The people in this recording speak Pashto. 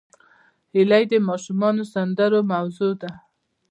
هیلۍ د ماشومانو د سندرو موضوع ده